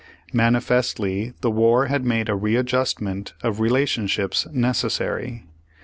Manifestly the war had made a readjustment of relationships necessary.